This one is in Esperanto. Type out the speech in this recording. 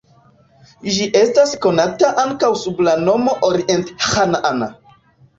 Ĝi estas konata ankaŭ sub la nomo orient-ĥanaana.